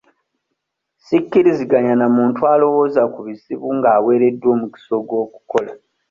Sikkiriziganya na muntu alowooza ku bizibu nga aweereddwa omukisa ogw'okukola.